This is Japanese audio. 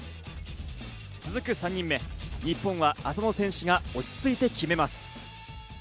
続く３人目、日本は浅野選手が落ち着いて決めます。